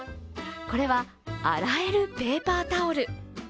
これは洗えるペーパータオル。